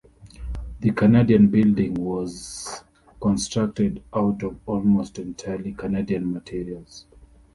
The Canadian Building was constructed out of almost entirely Canadian materials.